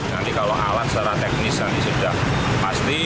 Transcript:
nanti kalau alat secara teknis yang disediakan pasti